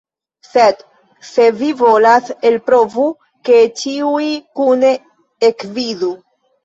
Sed se vi volas, elprovu, ke ĉiuj kune ekvidu.